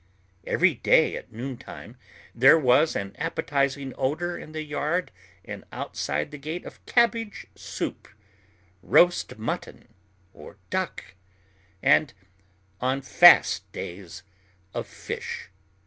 Every day at noontime there was an appetising odour in the yard and outside the gate of cabbage soup, roast mutton, or duck; and, on fast days, of fish.